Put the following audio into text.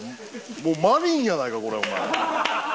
もうマリンやないかこれお前。